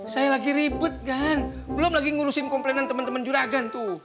saya lagi ribet gan belum lagi ngurusin komplainan temen temen juragan tuh